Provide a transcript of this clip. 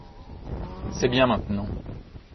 C’est bien maintenant.